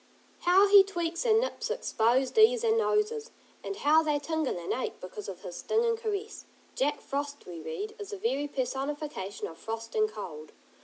How he tweaks and nips exposed ears and noses, and how they tingle and ache because of his stinging caress. Jack Frost, we read, is "the very personification of frost and cold."